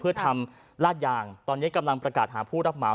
เพื่อทำลาดยางตอนนี้กำลังประกาศหาผู้รับเหมา